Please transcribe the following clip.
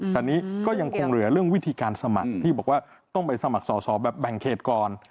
ตอนนี้ก็ยังคงเหลือเรื่องวิธีการสมัครที่บอกว่าต้องไปสมัครสอบแบบแบ่งเขตก่อน